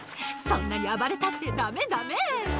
そんなに暴れたってダメダメ。